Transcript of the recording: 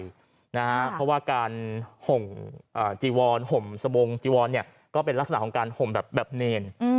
เพราะว่าการห่มจีวอนห่มสบงจีวอนก็เป็นลักษณะของการห่มแบบเนร